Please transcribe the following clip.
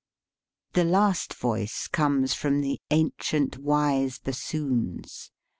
The last voice comes from the "ancient wise bassoons."